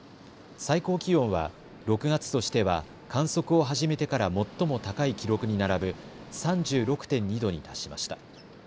最高気温は６月としては観測を始めてから最も高い記録に並ぶ３６．２度に達しました。